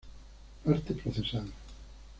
Parte Procesal.